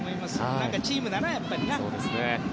なんかチームだなやっぱりな。